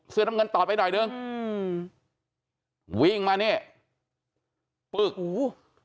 เสื้อน้ำเงินตอดไปหน่อยหนึ่งอืมวิ่งมานี่ปึ๊กอู้